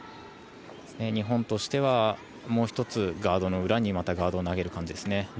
日本としてはもう１つ、ガードの裏にまたガードを投げる感じです。